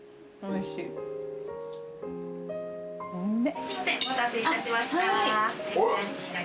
お待たせいたしました。